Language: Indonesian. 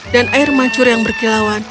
dan air mancur yang berkilauan